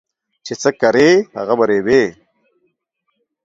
چي څه کرې ، هغه به رېبې.